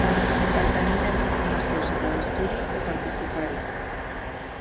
Per tenir més informació sobre l’estudi o participar-hi.